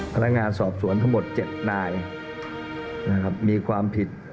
พลังงานสอบสวนทั้งหมด๗นายมีความผิด